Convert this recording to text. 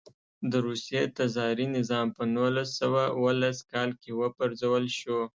د روسیې تزاري نظام په نولس سوه اوولس کال کې و پرځول شو.